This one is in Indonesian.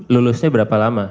lulusnya berapa lama